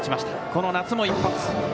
この夏も１発。